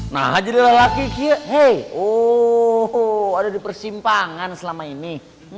nah jadi lelaki hei oh ada di persimpangan selama ini